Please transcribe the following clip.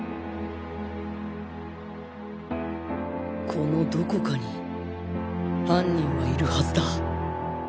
このどこかに犯人はいるはずだ